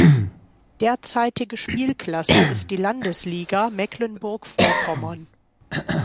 Derzeitige Spielklasse ist die Landesliga Mecklenburg-Vorpommern.